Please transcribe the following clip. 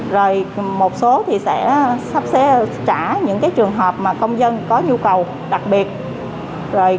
rồi một số sẽ sắp xếp trả những trường hợp công dân có thể trả cho người dân đúng hẹn